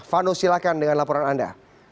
vano silahkan dengan laporan anda